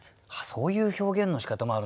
そういう表現のしかたもあるんだ。